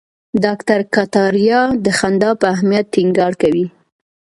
ډاکټر کتاریا د خندا په اهمیت ټینګار کوي.